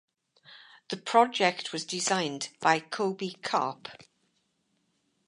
The project was designed by Kobi Karp.